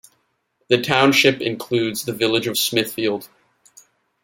The township includes the village of Smithfield.